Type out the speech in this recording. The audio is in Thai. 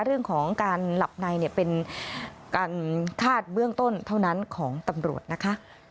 เรื่องของการหลับในเป็นการคาดเบื้องต้นเท่านั้นของตำรวจนะคะ